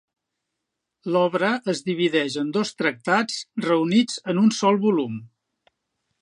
L'obra es divideix en dos tractats reunits en un sol volum.